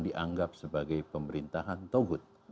dianggap sebagai pemerintahan tawud